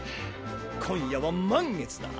今夜は満月だ。